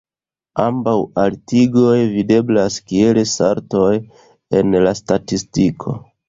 Ambaŭ altigoj videblas kiel saltoj en la statistiko.